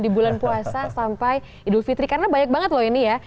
di bulan puasa sampai idul fitri karena banyak banget loh ini ya